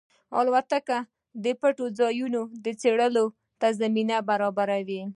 الوتکه د پټ ځایونو څېړلو ته زمینه برابروي.